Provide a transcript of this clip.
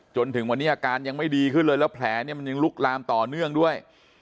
จนถึงวันนี้อาการยังไม่ดีขึ้นเลยแล้วแผลเนี่ยมันยังลุกลามต่อเนื่องด้วย